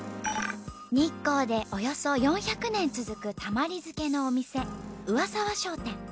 日光でおよそ４００年続くたまり漬けのお店上澤商店。